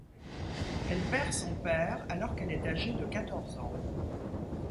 Elle perd son père alors qu'elle est âgée de quatorze ans.